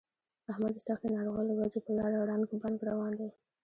احمد د سختې ناروغۍ له وجې په لاره ړنګ بنګ روان دی.